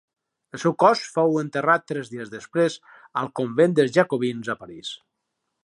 El seu cos fou enterrat tres dies després al convent dels Jacobins a París.